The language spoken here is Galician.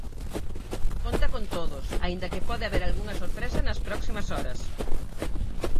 Conta con todos aínda que pode haber algunha sorpresa nas próximas horas.